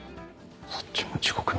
そっちも地獄耳。